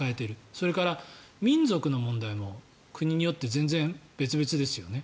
それから民族の問題も国によって全然、別々ですよね。